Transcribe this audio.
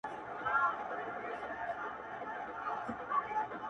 زه به ستا محفل ته زلمۍ شپې له کومه راوړمه!